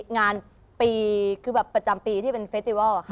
งานปีที่เป็นเปล่า